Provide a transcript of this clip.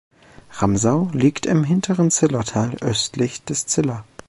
Ramsau liegt im hinteren Zillertal, östlich des Ziller.